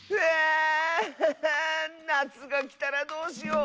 「なつがきたらどうしよう！